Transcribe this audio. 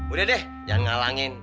udah deh jangan ngalangin